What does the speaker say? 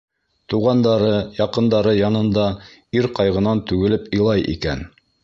Туғандары, яҡындары янында ир ҡайғынан түгелеп илай икән: